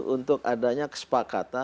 untuk adanya kesepakatan